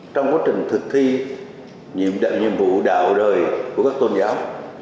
trong quá trình thực thi nhiệm vụ đạo đời của các tôn giáo